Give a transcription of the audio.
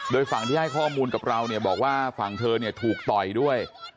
โดยฝั่งที่ให้ข้อมูลกับเราเนี่ยบอกว่าฝั่งเธอเนี่ยถูกต่อยด้วย